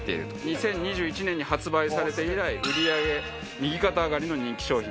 ２０２１年に発売されて以来売り上げ右肩上がりの人気商品。